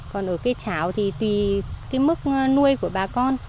còn ở cây chảo thì tùy cái mức nuôi của bà con